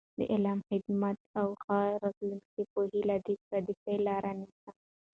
د علم، خدمت او یو ښه راتلونکي په هیله، د پردیسۍ لاره نیسم.